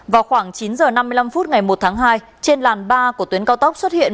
vào khoảng chín h năm mươi năm phút ngày một tháng hai trên làn ba của tuyến cao tốc xuất hiện